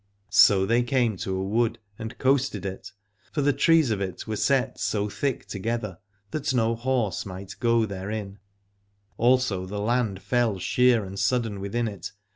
So they came to a wood and coasted it, for the trees of it were set so thick together that no horse might go therein : also the land fell sheer and sudden within it.